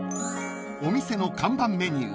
［お店の看板メニュー